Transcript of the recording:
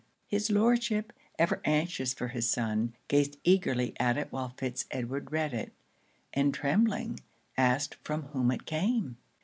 His Lordship, ever anxious for his son, gazed eagerly at it while Fitz Edward read it; and trembling, asked from whom it came?